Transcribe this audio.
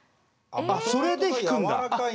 それで弾くんだ。